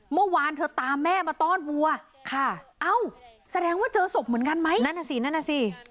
เมื่อวานเธอตามแม่มาต้อนวัวค่ะเอ้าแสดงว่าเจอศพเหมือนกันไหมนั่นน่ะสินั่นน่ะสิ